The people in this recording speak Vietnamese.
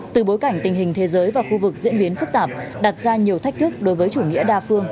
từ bối cảnh tình hình thế giới và khu vực diễn biến phức tạp đặt ra nhiều thách thức đối với chủ nghĩa đa phương